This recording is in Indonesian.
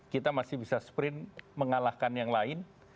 kita masih bisa sprint mengalahkan yang lain